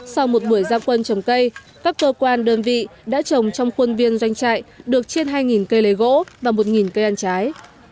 sau một buổi giao quân trồng cây các cơ quan đơn vị đã trồng trong khuôn viên doanh trại được trên hai cây lấy gỗ và một cây ăn trái